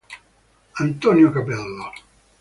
Antonio Cappello